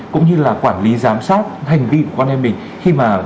cũng như là quản lý giám sát hành vi của con em mình